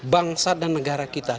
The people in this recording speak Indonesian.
bangsa dan negara kita